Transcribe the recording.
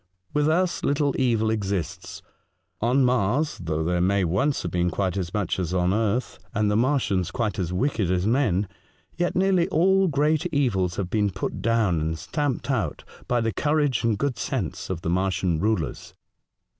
With us little evil exists ; on Mars, though there may once have been quite as much as on earth, and the Martians quite as wicked as men, yet nearly all great evils have been put down and stamped out by the courage and good sense of the Martian rulers.